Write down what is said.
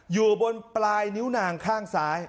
อยู่บนปลายนิ้วนางข้างซ้าย